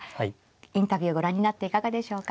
インタビューをご覧になっていかがでしょうか。